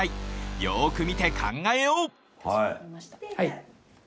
よく見て考えよう！